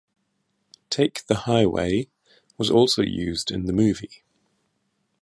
"Take the Highway" was also used in the movie.